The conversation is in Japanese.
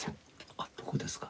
あっどこですか？